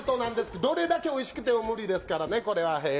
どれだけおいしくても無理ですからね、これは。